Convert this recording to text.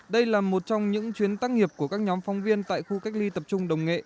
đây là một trong những chuyến tăng nghiệp của các nhóm phóng viên tại khu cách ly tập trung đồng nghệ